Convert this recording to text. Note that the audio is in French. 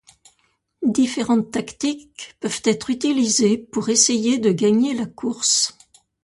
Différentes tactiques peuvent être utilisées pour essayer de gagner la course.